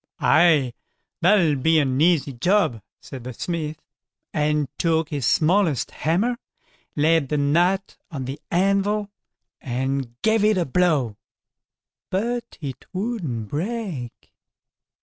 "Aye, that'll be an easy job", said the smith, and took his smallest hammer, laid the nut on the anvil, and gave it a blow, but it wouldn't break.